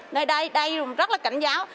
nơi đây đây rất là cảnh giáo